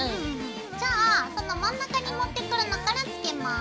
じゃあその真ん中に持ってくるのからつけます。